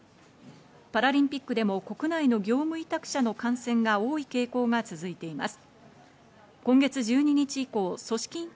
パラリンピックでも国内の業務委託者の感染が多い傾向が続いています。